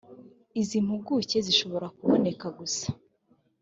iz impuguke bishobora kuboneka gusa